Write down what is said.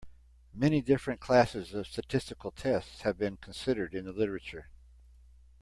Many different classes of statistical tests have been considered in the literature.